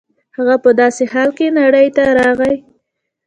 هغه په داسې حال کې نړۍ ته راغی